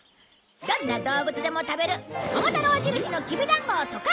どんな動物でも食べる桃太郎印のきびだんごを溶かしてみよう！